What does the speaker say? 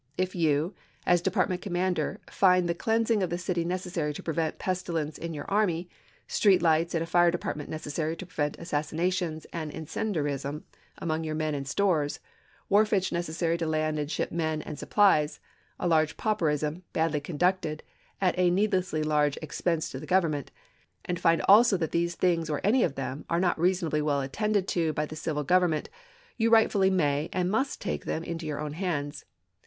If you, as depart ment commander, find the cleansing of the city necessary to prevent pestilence in your army ; street lights and a fire department necessary to prevent assassinations and incendiarism among your men and stores; wharfage necessary to land and ship men and supplies; a large pauperism, badly conducted, at a needlessly large ex pense to the Government, and find also that these things, or any of them, are not reasonably well attended to by the civil Government, you rightfully may and must take them into your own hands.